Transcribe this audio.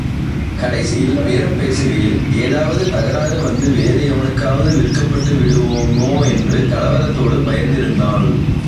கடைசியில் பேரம் பேசுகையில் ஏதாவது தகராறு வந்து வேறு எவனுக்காவது விற்கப்பட்டு விடுவோமோ என்று கலவரத்தோடு பயந்திருந்தாள்.